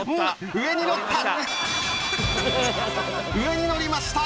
上に乗りました！